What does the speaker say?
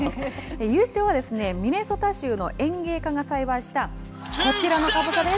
優勝は、ミネソタ州の園芸家が栽培したこちらのカボチャです。